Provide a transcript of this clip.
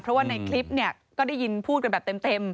เพราะว่าในคลิปก็ได้ยินพูดแบบเต็ม